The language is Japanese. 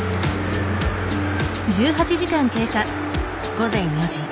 午前４時。